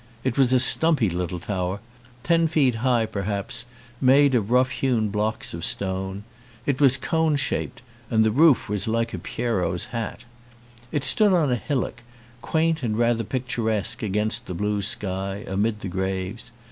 It was a stumpy little tower, ten feet high perhaps, made of rough hewn blocks of stone ; it was cone shaped and the roof was like a Pierrot's hat. It stood on a hillock, quaint and rather picturesque against the blue sky, amid the graves.